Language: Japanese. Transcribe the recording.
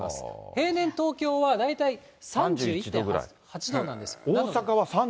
平年、東京は大体３１．８度なんです。